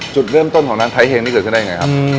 จุดเริ่มต้นของร้านไทยเฮงนี่เกิดขึ้นได้ยังไงครับ